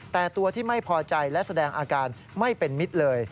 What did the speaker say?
แต่ตัวที่ไม่พอใจและแสดงอาการไม่เป็นมิตรเลย